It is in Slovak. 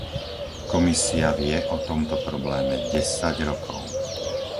Komisia vie o tomto probléme desať rokov.